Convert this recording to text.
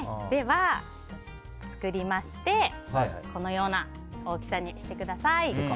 では、作りましてこのような大きさにしてください。